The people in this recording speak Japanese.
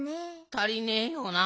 たりねえよな。